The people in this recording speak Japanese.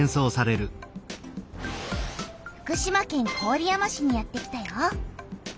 福島県郡山市にやってきたよ。